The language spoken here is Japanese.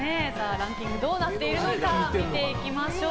ランキングどうなっているのか見ていきましょう。